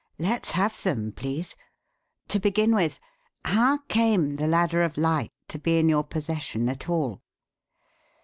Let's have them, please. To begin with, how came the Ladder of Light to be in your possession at all?"